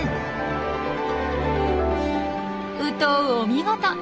ウトウお見事！